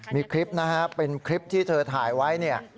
มีคลิปนะครับเป็นคลิปที่เธอถ่ายไว้